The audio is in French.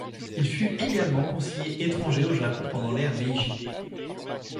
Il fut également conseiller étranger au Japon pendant l'ère Meiji.